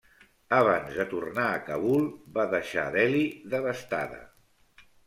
Abans de tornar a Kabul va deixar Delhi devastada.